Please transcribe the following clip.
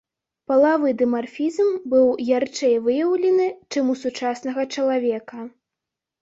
Палавы дымарфізм быў ярчэй выяўлены, чым у сучаснага чалавека.